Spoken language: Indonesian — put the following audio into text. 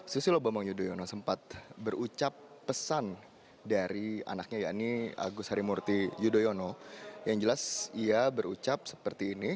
susilo bambang yudhoyono sempat berucap pesan dari anaknya yakni agus harimurti yudhoyono yang jelas ia berucap seperti ini